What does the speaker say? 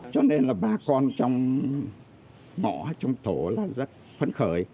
cho nên là ba con trong mỏ trong thổ là rất phấn khởi